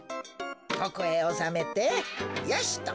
ここへおさめてよしと。